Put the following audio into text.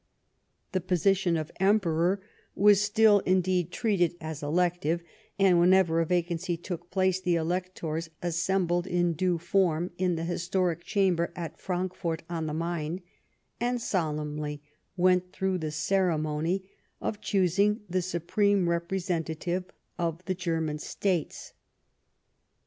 The position of emperor was still, indeed, treated as elective, and whenever a vacancy took place, the electors assembled in due form in the historic chamber at Frankfort on the Main and solemnly went through the ceremony of choosing the supreme repre sentative of the German states.